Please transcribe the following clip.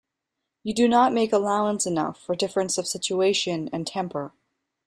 You do not make allowance enough for difference of situation and temper.